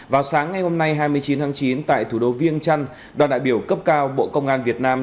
vào sáng ngày hôm nay hai mươi chín tháng chín tại thủ đô viêng trăn đoàn đại biểu cấp cao bộ công an việt nam